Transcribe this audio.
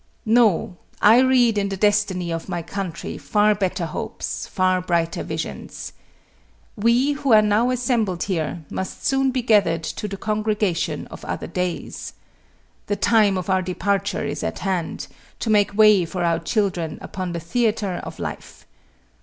No; I read in the destiny of my country far better hopes, far brighter visions. We, who are now assembled here, must soon be gathered to the congregation of other days. The time of our departure is at hand, to make way for our children upon the theatre of life.